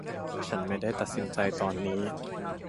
ฉันไม่ได้ตัดสินใจตอนนี้